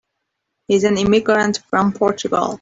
He's an immigrant from Portugal.